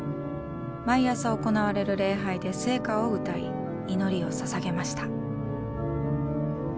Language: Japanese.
毎朝行われる礼拝で「聖歌」を歌い祈りを捧げました。